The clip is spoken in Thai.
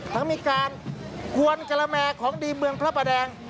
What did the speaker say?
ทั้งมีการกวนกระแมของดีเมืองพระประแดง